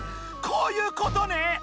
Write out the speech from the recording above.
こういうことね。